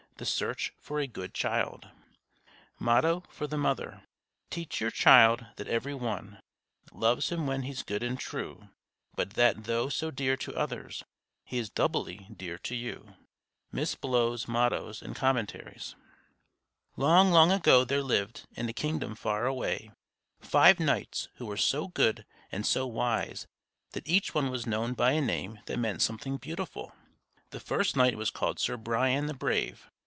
THE SEARCH FOR A GOOD CHILD MOTTO FOR THE MOTHER _Teach your child that every one Loves him when he's good and true, But that though so dear to others, He is doubly dear to you_. Miss Blow's Mottoes and Commentaries. Long, long ago there lived, in a kingdom far away, five knights who were so good and so wise that each one was known by a name that meant something beautiful. The first knight was called Sir Brian the Brave.